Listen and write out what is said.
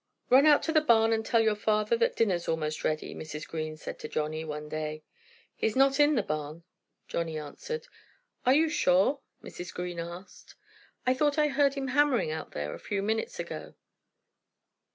"Run out to the barn and tell your father that dinner's almost ready," Mrs. Green said to Johnnie one day. "He's not in the barn," Johnnie answered. "Are you sure?" Mrs. Green asked. "I thought I heard him hammering out there a few minutes ago."